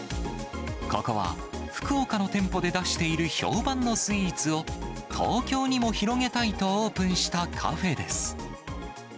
ここは福岡の店舗で出している評判のスイーツを、東京にも広げたいとオープンしたカフェです。